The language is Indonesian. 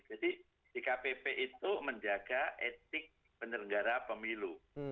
dkpp itu menjaga etik penyelenggara pemilu